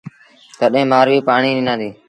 تڏهيݩ مآرويٚ پآڻيٚ ڏنآݩديٚ۔